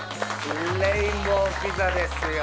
レインボーピザですよ。